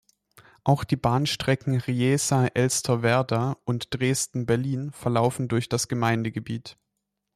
Auch die Bahnstrecken Riesa–Elsterwerda und Dresden–Berlin verlaufen durch das Gemeindegebiet.